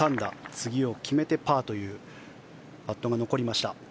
次を決めてパーというパットが残りました。